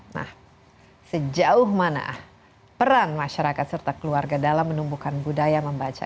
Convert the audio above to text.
nah sejauh mana peran masyarakat serta keluarga dalam menumbuhkan budaya membaca